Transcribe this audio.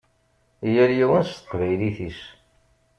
Yal yiwen s teqbaylit-is.